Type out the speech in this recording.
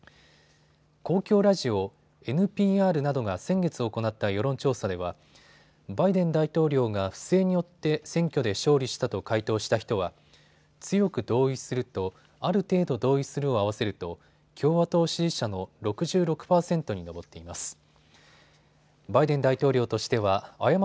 公共ラジオ、ＮＰＲなどが先月行った世論調査ではバイデン大統領が不正によって選挙で勝利したと回答した人は強く同意するとある程度同意するを合わせると共和党支持者の６６％に上っています。